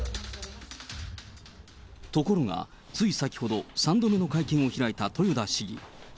ところが、つい先ほど、３度目の会見を開いた豊田市議。